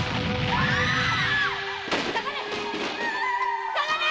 〔下がれ！